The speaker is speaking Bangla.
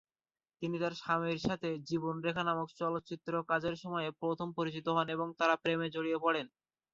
তিনি তার স্বামীর সাথে "জীবন রেখা" নামক চলচ্চিত্রের কাজের সময়ে প্রথম পরিচিত হন এবং তারা প্রেমে জড়িয়ে পড়েন।